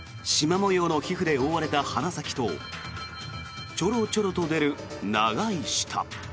模様の皮膚で覆われた鼻先とちょろちょろと出る長い舌。